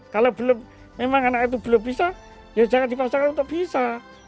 kalau memang anak itu belum bisa ya jangan dipaksakan untuk bisa